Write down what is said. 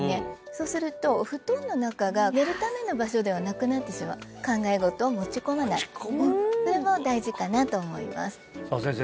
そうするとお布団の中が寝るための場所ではなくなってしまう考えごとを持ち込まないこれも大事かなと思いますさあ先生